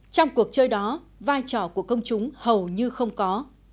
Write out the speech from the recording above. trong cuộc chơi đó vai trò của công chúng hầu như không có